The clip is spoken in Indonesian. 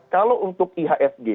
kalau untuk iasg